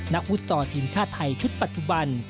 นักวุฒิศทีมชาติไทยชุดปัจจุบัน